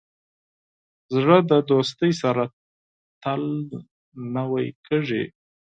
زړه د دوستۍ سره تل نوی کېږي.